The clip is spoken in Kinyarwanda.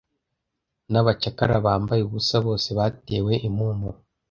N'abacakara bambaye ubusa, bose batewe impumuro,